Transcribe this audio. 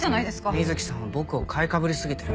水木さんは僕を買いかぶりすぎてる。